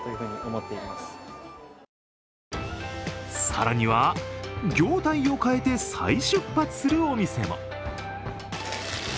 更には、業態を変えて再出発するお店も。